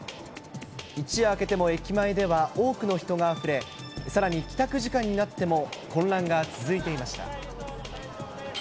一夜明けても駅前では多くの人があふれ、さらに帰宅時間になっても混乱が続いていました。